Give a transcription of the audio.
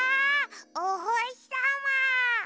おほしさま！